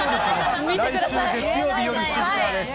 来週月曜日夜７時からです。